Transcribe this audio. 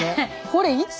これいつ？